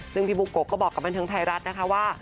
ซึ่งพี่บุโกะก็บอกกับบันเทิงไทยรัฐนะคะว่า